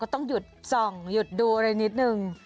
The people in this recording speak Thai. ต้องหยุดส่องหยุดดูอะไรนิดนึง